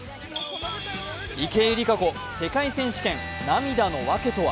池江璃花子、世界選手権涙のわけとは？